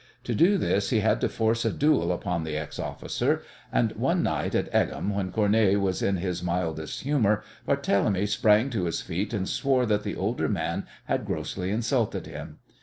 To do this he had to force a duel upon the ex officer, and one night at Egham, when Cournet was in his mildest humour, Barthélemy sprang to his feet and swore that the older man had grossly insulted him.